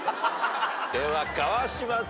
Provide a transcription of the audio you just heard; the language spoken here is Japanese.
では川島さん。